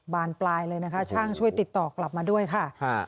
บานปลายเลยนะคะช่างช่วยติดต่อกลับมาด้วยค่ะ